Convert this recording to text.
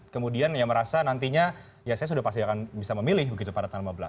kemudian ya merasa nantinya ya saya sudah pasti akan bisa memilih begitu pada tanggal lima belas